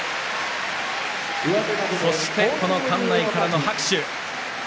そして、この館内からの拍手。